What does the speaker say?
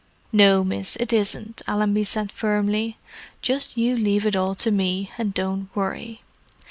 "No, miss, it isn't," Allenby said firmly. "Just you leave it all to me, and don't worry.